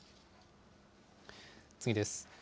次です。